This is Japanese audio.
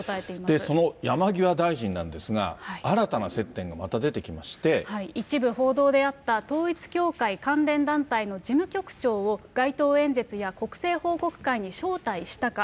その山際大臣なんですが、一部報道であった、統一教会関連団体の事務局長を街頭演説や国政報告会に招待したか。